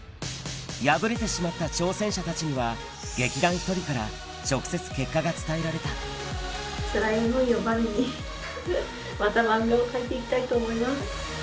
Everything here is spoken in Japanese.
敗れてしまった挑戦者たちには、劇団ひとりから直接結果が伝えらつらい思いをばねに、また漫画を描いていきたいと思います。